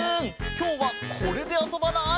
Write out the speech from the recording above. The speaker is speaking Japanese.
きょうはこれであそばない？